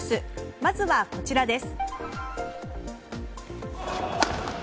まずは、こちらです。